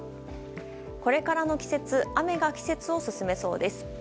これからの季節雨が季節を進めそうです。